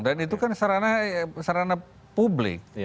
dan itu kan sarana publik